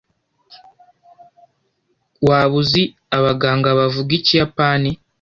waba uzi abaganga bavuga ikiyapani